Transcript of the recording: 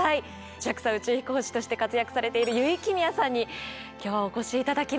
ＪＡＸＡ宇宙飛行士として活躍されている油井亀美也さんに今日はお越し頂きました。